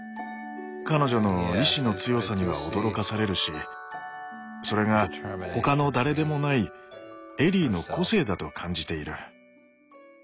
彼女の意志の強さには驚かされるしそれが他の誰でもないエリーの個性だと感じている。